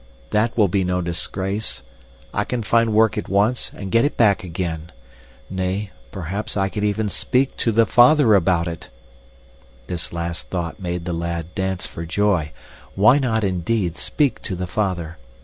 That will be no disgrace. I can find work at once and get it back again. Nay, perhaps I can even SPEAK TO THE FATHER ABOUT IT! This last thought made the lad dance for joy. Why not, indeed, speak to the father?